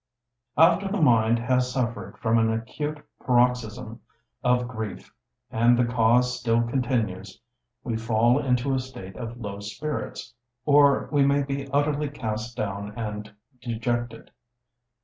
After the mind has suffered from an acute paroxysm of grief, and the cause still continues, we fall into a state of low spirits; or we may be utterly cast down and dejected.